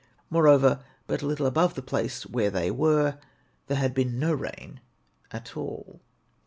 Moreover, but a little above the place where they were, there had been no rain at all.